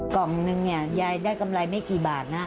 กล่องหนึ่งยายได้กำไรไม่กี่บาทน่ะ